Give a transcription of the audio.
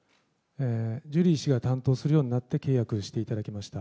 ジュリー氏が担当するようになって契約していただきました。